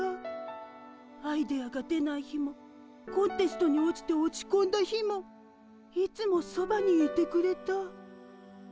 アイデアが出ない日もコンテストに落ちて落ちこんだ日もいつもそばにいてくれた。